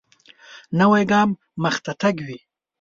نوی ګام مخته تګ وي